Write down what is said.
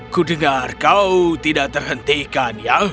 kudengar kau tidak terhentikan ya